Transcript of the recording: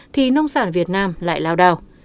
thì nông sản việt nam lại lao đào